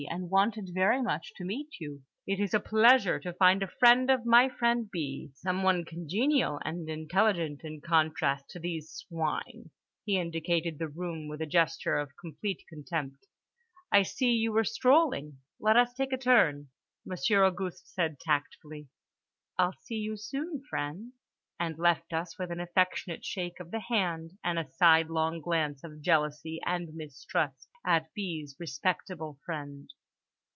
and wanted very much to meet you. It is a pleasure to find a friend of my friend B., someone congenial and intelligent in contrast to these swine"—he indicated the room with a gesture of complete contempt. "I see you were strolling. Let us take a turn." Monsieur Auguste said tactfully, "I'll see you soon, friends," and left us with an affectionate shake of the hand and a sidelong glance of jealousy and mistrust at B.'s respectable friend.